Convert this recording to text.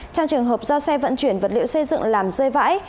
trong trường hợp do xe vận chuyển vật liệu xây dựng làm rơi vãi